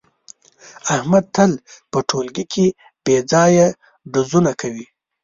احمد تل په ټولگي کې بې ځایه ډزونه کوي.